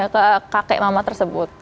ke kakek mamat tersebut